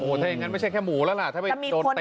ถ้าอย่างนั้นไม่ใช่แค่หมูแล้วล่ะถ้าไปโดนเตะ